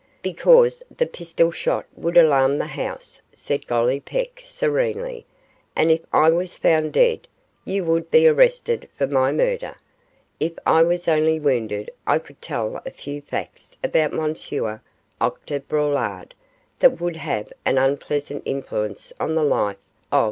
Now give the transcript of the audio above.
'Because the pistol shot would alarm the house,' said Gollipeck, serenely, 'and if I was found dead, you would be arrested for my murder. If I was only wounded I could tell a few facts about M. Octave Braulard that would have an unpleasant influence on the life of M.